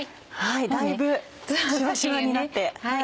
だいぶシワシワになって。